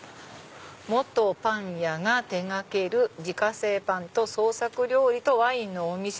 「元パン屋が手掛ける自家製パンと創作料理とワインのお店」。